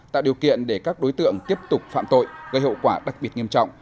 tạo điều kiện để các đối tượng tiếp tục phạm tội gây hậu quả đặc biệt nghiêm trọng